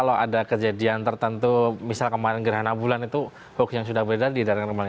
kalau ada kejadian tertentu misal kemarin gerhana bulan itu hoax yang sudah beredar didatangkan kembali